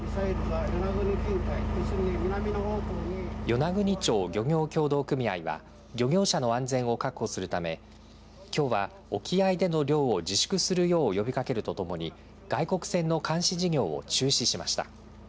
与那国町漁業協同組合は漁業者の安全を確保するためきょうは沖合での漁を自粛するよう呼びかけるとともに外国船の監視事業を中止しました。